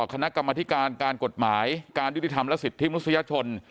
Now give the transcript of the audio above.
คณะกรรมอธิการการกฎหมายการดิจตามลักษิตที่มาพรูซญาชน